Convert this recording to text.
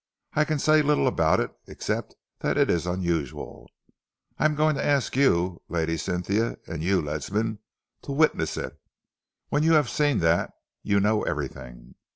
I can say little about it except that it is unusual. I am going to ask you, Lady Cynthia, and you, Ledsam, to witness it. When you have seen that, you know everything.